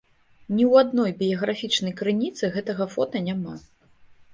Ні ў адной біяграфічнай крыніцы гэтага фота няма.